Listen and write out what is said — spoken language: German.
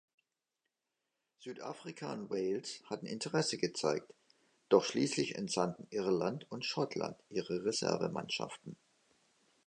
Südafrika und Wales hatten Interesse gezeigt, doch schließlich entsandten Irland und Schottland ihre Reservemannschaften.